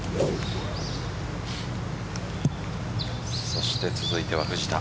そして続いては藤田。